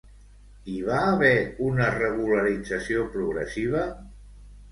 Hi va haver una regularització progressiva.